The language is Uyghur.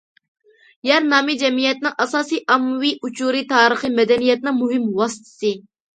يەر نامى جەمئىيەتنىڭ ئاساسىي ئاممىۋى ئۇچۇرى، تارىخىي مەدەنىيەتنىڭ مۇھىم ۋاسىتىسى.